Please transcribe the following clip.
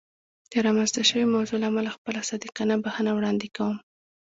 د رامنځته شوې موضوع له امله خپله صادقانه بښنه وړاندې کوم.